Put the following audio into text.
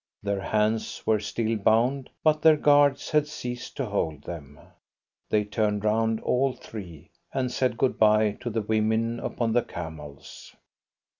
Their hands were still bound, but their guards had ceased to hold them. They turned round, all three, and said good bye to the women upon the camels.